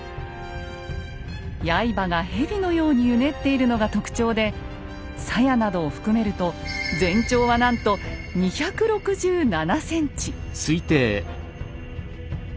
刃が蛇のようにうねっているのが特徴で鞘などを含めると全長はなんと２６７ｃｍ。